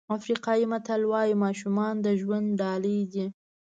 افریقایي متل وایي ماشومان د ژوند ډالۍ دي.